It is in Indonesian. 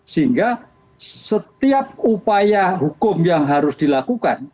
sehingga setiap upaya hukum yang harus dilakukan